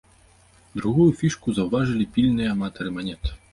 Другую фішку заўважылі пільныя аматары манет.